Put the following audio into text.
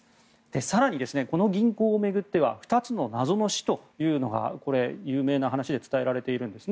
更にこの銀行を巡っては２つの謎の死というのが有名な話で伝えられています。